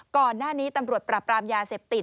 ก่อนหน้านี้ตำรวจปรับปรามยาเสพติด